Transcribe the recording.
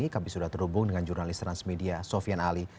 kami sudah terhubung dengan jurnalis transmedia sofian ali